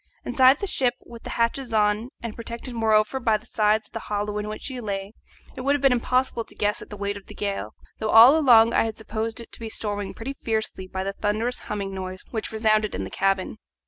Inside the ship, with the hatches on, and protected moreover by the sides of the hollow in which she lay, it would have been impossible to guess at the weight of the gale, though all along I had supposed it to be storming pretty fiercely by the thunderous humming noise which resounded in the cabin.